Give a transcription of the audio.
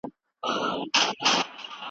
تاسي باید په سیاست پوه شئ.